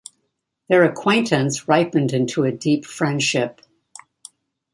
Their acquaintance ripened into a deep friendship.